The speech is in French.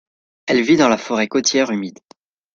Elle vit dans la forêt côtière humide.